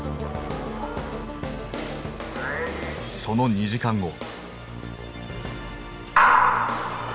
その２時間後。